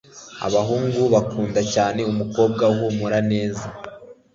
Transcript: abahungu bakunda cyane umukobwa uhumura neza,